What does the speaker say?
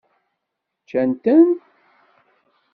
Ččan-ten?